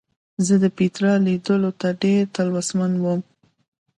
زه د پیترا لیدلو ته ډېر تلوسمن وم.